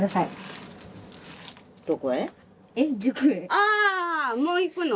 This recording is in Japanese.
あもう行くの？